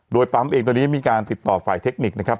โดยปั๊มเองตอนนี้มีการติดต่อฝ่ายเทคนิคนะครับ